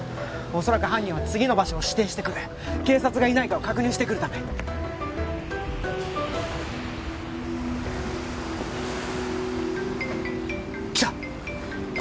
恐らく犯人は次の場所を指定してくる警察がいないかを確認してくるためきた！